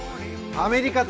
アメリカ対